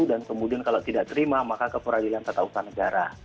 dan kemudian kalau tidak terima maka keperadilan ketausan negara